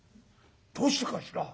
「どうしてかしら？」。